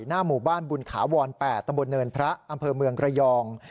หน้าหมู่บ้านบุญถาวร๘ตำบลเนินพระอำเภอเมืองระยอง